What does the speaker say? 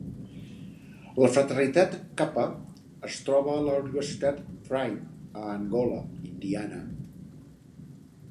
La fraternitat Kappa es troba a la Universitat Trine, a Angola, Indiana.